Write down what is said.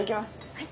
はい。